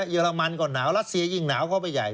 เรมันก็หนาวรัสเซียยิ่งหนาวเข้าไปใหญ่